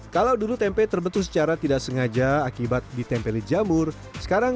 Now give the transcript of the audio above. kalau tempe untuk keripik harus kering